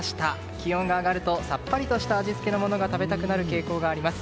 気温が上がるとさっぱりとした味付けのものが食べたくなる傾向があります。